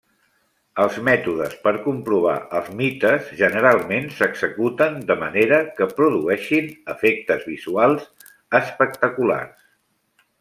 Els mètodes per comprovar els mites generalment s'executen de manera que produeixin efectes visuals espectaculars.